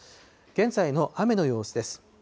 現在の雨の様子です。